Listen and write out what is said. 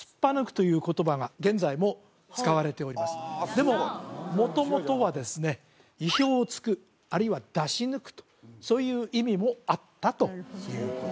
でも元々はですね意表をつくあるいは出し抜くとそういう意味もあったということですね